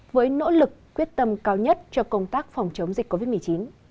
với nỗ lực quyết tâm cao nhất cho công tác phòng chống dịch covid một mươi chín